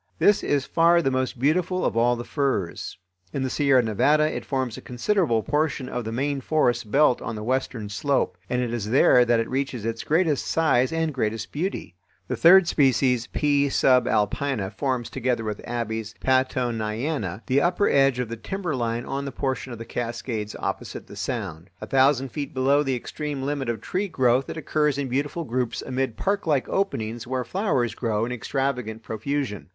This is far the most beautiful of all the firs. In the Sierra Nevada it forms a considerable portion of the main forest belt on the western slope, and it is there that it reaches its greatest size and greatest beauty. The third species (P. subalpina) forms, together with Abies Pattoniana, the upper edge of the timberline on the portion of the Cascades opposite the Sound. A thousand feet below the extreme limit of tree growth it occurs in beautiful groups amid parklike openings where flowers grow in extravagant profusion.